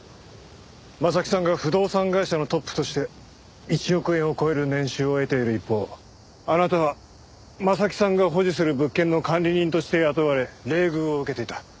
征木さんが不動産会社のトップとして１億円を超える年収を得ている一方あなたは征木さんが保持する物件の管理人として雇われ冷遇を受けていた。